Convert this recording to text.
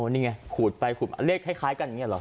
นี่ไงขูดไปขูดมาเลขคล้ายกันอย่างนี้เหรอ